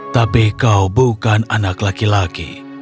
tapi kau bukan anak laki laki